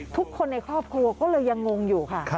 ทุกคนในครอบครัวก็เลยยังงงอยู่ค่ะ